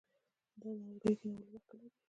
د نیالګي کینولو وخت کله دی؟